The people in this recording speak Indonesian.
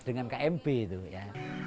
dengan kmp itu ya